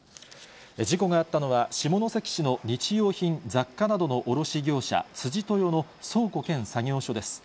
事故があったのは、下関市の日用品、雑貨などの卸業者、辻豊の倉庫兼作業所です。